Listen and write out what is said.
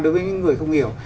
đối với những người không hiểu